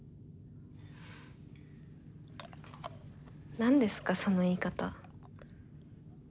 何ですかその言い方。